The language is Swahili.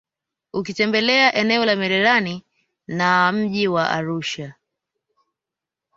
Ukitembelea eneo la Merelani na mji wa Arusha